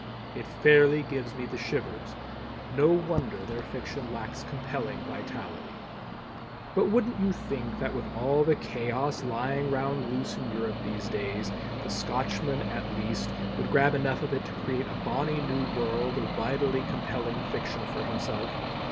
It fairly gives me the shivers. No wonder their fiction lacks compelling vitality! But wouldn't you think that with all the Chaos lying round loose in Europe these days, the Scotchman at least would grab enough of it to create a bonnie new world of vitally compelling fiction for himself?